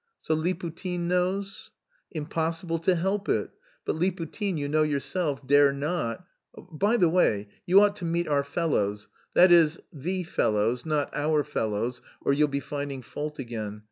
"So Liputin knows?" "Impossible to help it: but Liputin, you know yourself, dare not... By the way, you ought to meet our fellows, that is, the fellows not our fellows, or you'll be finding fault again.